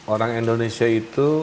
orang indonesia itu